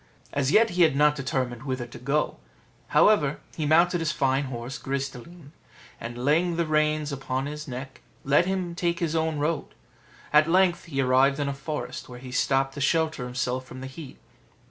As yet he had not determined whither to go; however, he mounted his fine horse Gris de line, and, laying the reins upon his neck, let him take his own road: at length he arrived in a forest, where he stopped to shelter himself from the heat.